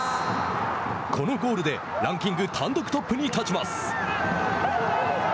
このゴールでランキング単独トップに立ちます。